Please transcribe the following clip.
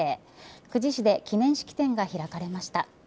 久慈市で記念式典が開かれました。